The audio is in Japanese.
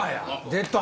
出た！